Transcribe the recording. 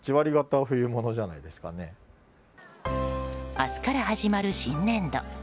明日から始まる新年度。